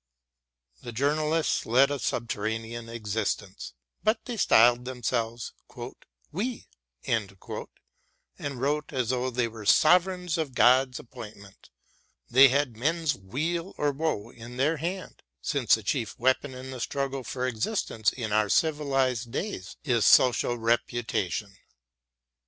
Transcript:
The journalists led a subterranean existence, but they styled themselves "we" and wrote as though they were sovereigns of God's appointment; they had men's weal or woe in their hand, since the chief weapon in the struggle for existence in our civilised days is social reputation.